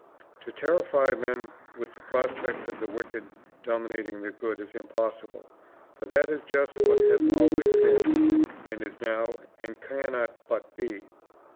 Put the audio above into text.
To terrify men with the prospect of the wicked dominating the good is impossible, for that is just what has always been, and is now, and cannot but be.